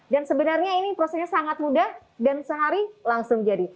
dan sebenarnya ini prosesnya sangat mudah dan sehari langsung jadi